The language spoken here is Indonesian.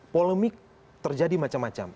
polemik terjadi macam macam